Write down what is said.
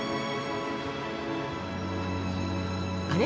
あれ？